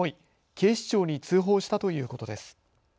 警視庁に通報したということです。